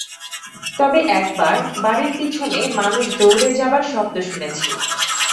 তবে এক বার বাড়ির পিছনে মানুষ দৌড়ে যাবার শব্দ শুনেছি।